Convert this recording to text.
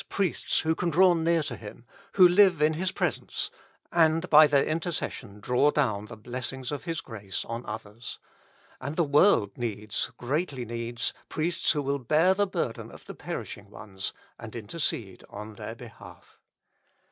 priests who can draw near to Him, who Hve in His presence, and by their intercession draw down the blessings of His grace on others. And the world needs, greatly needs, priests who will bear the burden of the perishing ones, and intercede on their behalf.